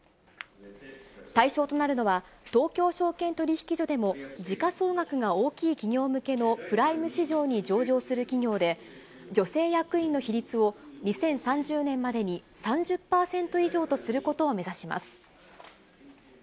対象となるのは、東京証券取引所でも時価総額が大きい企業向けのプライム市場に上場する企業で、女性役員の比率を２０３０年までに３０％以上とすることを目指します。